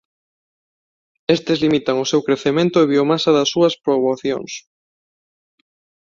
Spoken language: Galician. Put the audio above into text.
Estes limitan o seu crecemento e biomasa das súas poboacións.